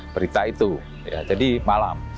berita itu ya jadi malam